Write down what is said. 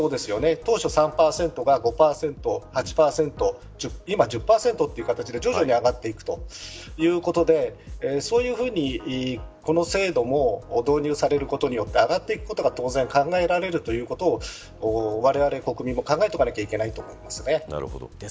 当初３％が、５％８％、今１０％という形で徐々に上がっていきますしそういうふうに、この制度も導入されることによって上がっていくことが当然考えられることをわれわれ国民も考えておかないといけないと思います。